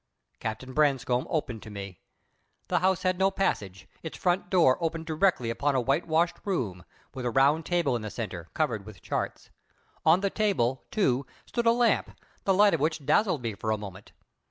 Captain Branscome opened to me. The house had no passage. Its front door opened directly upon a whitewashed room, with a round table in the centre, covered with charts. On the table, too, stood a lamp, the light of which dazzled me for a moment.